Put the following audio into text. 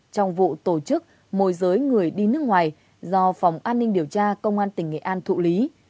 trong vụ tổ chức môi giới người đi nước ngoài do phòng an ninh điều tra công an tỉnh nghệ an thụ lý